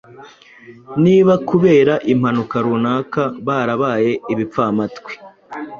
Niba kubera impamvu runaka barabaye ibipfamatwi